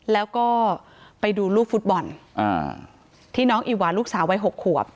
แล้วก็ไปดูลูกฟุตบอลที่น้องอีหวานลูกสาววัย๖ขวบ